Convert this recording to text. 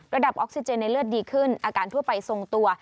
ออกซิเจนในเลือดดีขึ้นอาการทั่วไปทรงตัว